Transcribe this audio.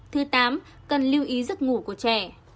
thứ tám cần lưu ý giấc ngủ của trẻ